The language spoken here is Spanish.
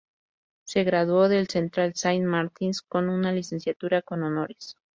Se graduó del "Central Saint Martins" con una licenciatura con honores.